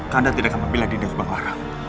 ganda tidak akan membela dinda subang lara